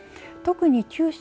特に九州